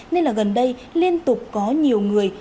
nên là gần đây liên tục có nhiều người